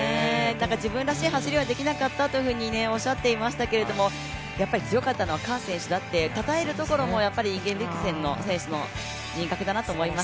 自分らしい走りはできなかったとおっしゃっていまいたけど、やっぱり強かったのはカー選手だったとたたえるのもインゲブリクセン選手の人格だなと思います。